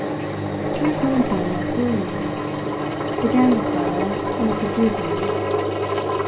"There's one thing that's worrying me," began Ricardo in a subdued voice.